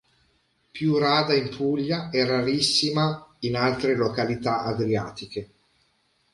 Più rada in Puglia e rarissima in altre località adriatiche.